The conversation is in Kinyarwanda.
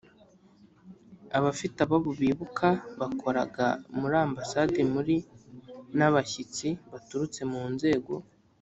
abafite ababo bibuka bakoraga muri Ambasade muri n abashyitsi baturutse mu nzego